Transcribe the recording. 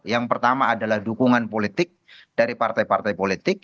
yang pertama adalah dukungan politik dari partai partai politik